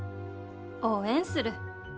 応援する。